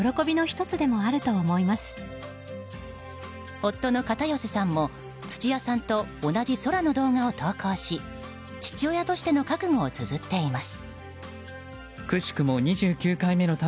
夫の片寄さんも土屋さんと同じ空の動画を投稿し父親としての覚悟をつづっています。